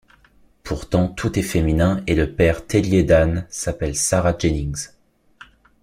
Pourtant tout est féminin, et le père Tellier d’Anne s’appelle Sarah Jennings.